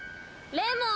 レモン。